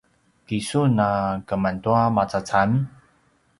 ki sun a keman tua macacam?